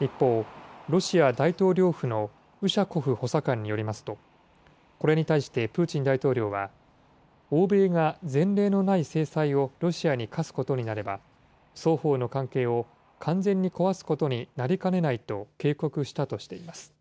一方、ロシア大統領府のウシャコフ補佐官によりますと、これに対してプーチン大統領は、欧米が前例のない制裁をロシアに科すことになれば、双方の関係を完全に壊すことになりかねないと警告したとしています。